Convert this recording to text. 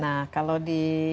nah kalau di